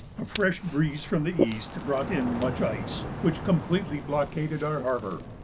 A fresh breeze from the east brought in much ice, which completely blockaded our harbour.